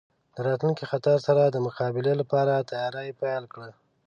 د راتلونکي خطر سره د مقابلې لپاره تیاری پیل کړ.